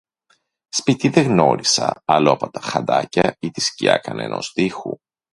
Σπίτι δε γνώρισα άλλο από τα χαντάκια ή τη σκιά κανενός τοίχου